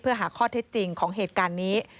เพื่อหาข้อเท็จจริงของเหตุการณ์นี้